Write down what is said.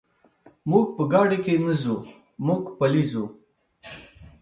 موږ په ګاډي کې نه ځو، موږ پلي ځو.